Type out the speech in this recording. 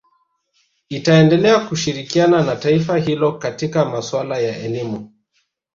Itaendelea kushirikiana na taifa hilo katika maswala ya elimu